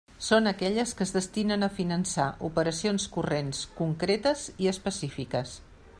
Són aquelles que es destinen a finançar operacions corrents concretes i específiques.